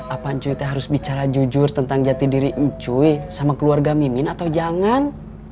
apaan cuitnya harus bicara jujur tentang jati diri cui sama keluarga mimin atau jangan